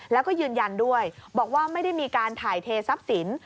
แล้วก็ยืนยันด้วยบอกว่าไม่ได้มีการถ่ายเททรัพย์สิน